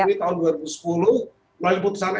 ini tahun dua ribu sepuluh melalui putusan